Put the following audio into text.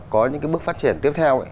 có những cái bước phát triển tiếp theo ấy